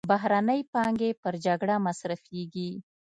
بهرنۍ پانګې پر جګړه مصرفېږي.